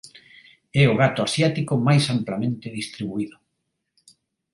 E o gato asiático máis amplamente distribuído.